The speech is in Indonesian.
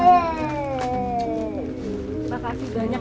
terima kasih banyak